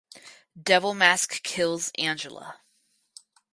Devil Mask kills Angela.